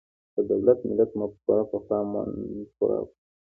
د دولت–ملت مفکوره پخوا منفوره وه.